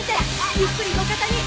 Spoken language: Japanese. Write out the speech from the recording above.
ゆっくり路肩に！